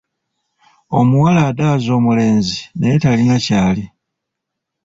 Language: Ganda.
Omuwala adaaza omulenzi naye talina ky’ali.